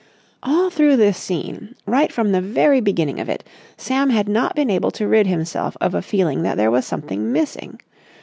All through this scene, right from the very beginning of it, Sam had not been able to rid himself of a feeling that there was something missing.